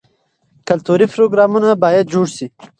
کلتوري پروګرامونه باید جوړ شي.